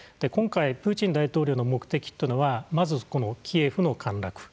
今回プーチン大統領の目的というのはまずキエフの陥落。